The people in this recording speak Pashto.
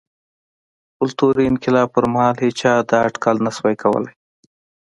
کلتوري انقلاب پر مهال هېچا دا اټکل نه شوای کولای.